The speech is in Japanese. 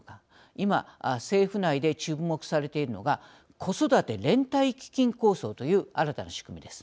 今政府内で注目されているのが子育て連帯基金構想という新たな仕組みです。